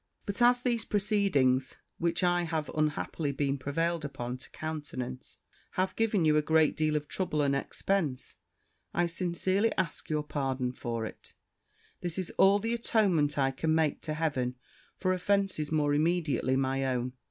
But as these proceedings, which I have unhappily been prevailed upon to countenance, have given you a great deal of trouble and expence, I sincerely ask your pardon for it: this is all the atonement I can make to Heaven for offences more immediately my own.